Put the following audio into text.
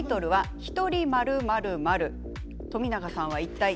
１人○○？